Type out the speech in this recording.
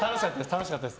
楽しかったです。